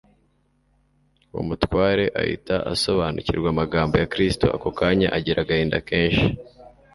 Uwo mutware ahita asobanukirwa amagambo ya Kristo ako kanya agira agahinda kenshi.